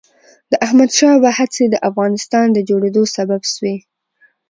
د احمد شاه بابا هڅې د افغانستان د جوړېدو سبب سوي.